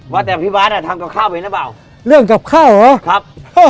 ว่าแต่พี่บาทอ่ะทำกับข้าวไปหรือเปล่าเรื่องกับข้าวเหรอครับ